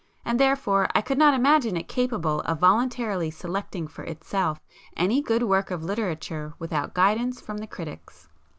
—and therefore I could not imagine it capable of voluntarily selecting for itself any good work of literature without guidance from the critics.